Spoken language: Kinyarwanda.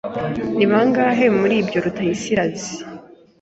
Ni bangahe muri ibyo Rutayisire azi?